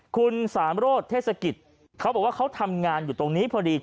คุณสามโรธเทศกิจเขาบอกว่าเขาทำงานอยู่ตรงนี้พอดี